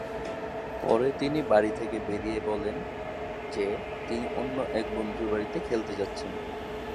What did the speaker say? পরে তিনি বাড়ি থেকে বেরিয়ে বলেন যে তিনি অন্য এক বন্ধুর বাড়িতে খেলতে যাচ্ছেন।